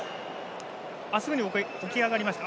すぐに起き上がりました。